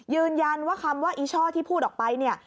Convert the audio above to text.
ยืนยันว่าคำว่าอีช่อที่พูดออกไปเนี่ย